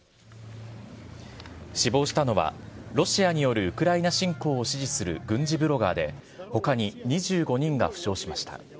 死亡したのは、ロシアによるウクライナ侵攻を支持する軍事ブロガーで、ほかに２５人が負傷しました。